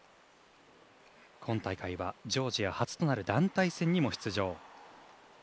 今大会は、ジョージア初となる団体戦にも出場。